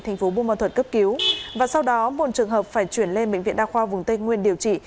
thành phố buôn ma thuật cấp cứu và sau đó một trường hợp phải chuyển lên bệnh viện đa khoa vùng tây nguyên điều trị